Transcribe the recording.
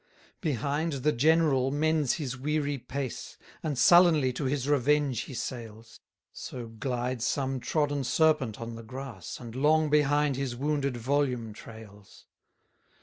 123 Behind the general mends his weary pace, And sullenly to his revenge he sails: So glides some trodden serpent on the grass, And long behind his wounded volume trails.